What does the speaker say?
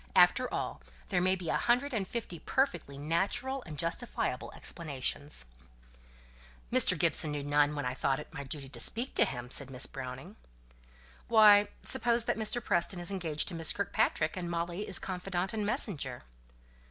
"After all, there may be a hundred and fifty perfectly natural and justifiable explanations." "Mr. Gibson knew of none when I thought it my duty to speak to him," said Miss Browning. "Why, suppose that Mr. Preston is engaged to Miss Kirkpatrick, and Molly is confidante and messenger?"